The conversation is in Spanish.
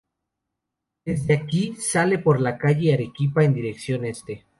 Desde aquí sale por la calle Arequipa en dirección este.